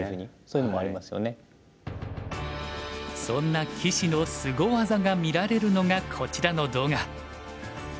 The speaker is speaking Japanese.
そんな棋士のスゴ技が見られるのがこちらの動画。